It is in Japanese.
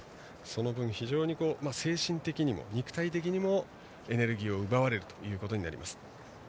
その分非常に精神的にも肉体的にもエネルギーを奪われることになります。